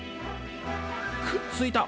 くっついた！